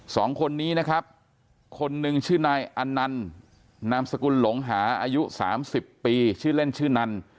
สองคนนี้นะครับคนหนึ่งชื่อนายอันนันนามสกุลหลงหาอายุสามสิบปีชื่อเล่นชื่อนัน